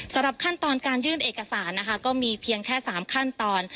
สำหรับขั้นตอนการยื่นเอกสารนะคะก็มีเพียงแค่๓ขั้นตอน